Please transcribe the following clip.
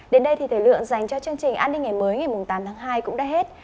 đến đây thì thời lượng dành cho chương trình an ninh ngày mới ngày tám tháng hai cũng đã hết